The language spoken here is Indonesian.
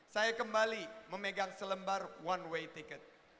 saya kembali memegang selembar one way tiket